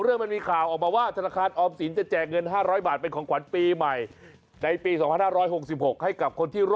เอาใส่ถุงบ่ายใหญ่